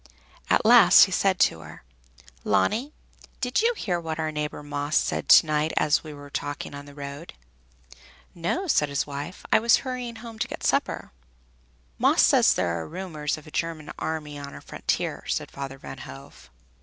At last he said to her, "Leonie, did you hear what our neighbor Maes said to night as we were talking in the road?" "No," said his wife, "I was hurrying home to get supper." "Maes said there are rumors of a German army on our frontier," said Father Van Hove.